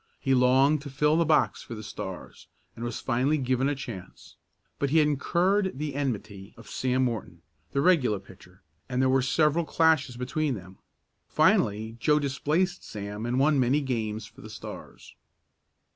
He longed to fill the box for the Stars, and was finally given a chance. But he had incurred the enmity of Sam Morton, the regular pitcher, and there were several clashes between them. Finally Joe displaced Sam and won many games for the Stars.